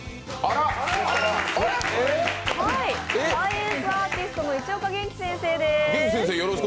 サイエンスアーティストの市岡元気先生です。